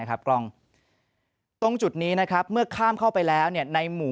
กล้องตรงจุดนี้นะครับเมื่อข้ามเข้าไปแล้วในหมู่